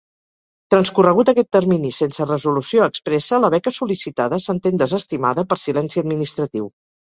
Transcorregut aquest termini sense resolució expressa, la beca sol·licitada s'entén desestimada per silenci administratiu.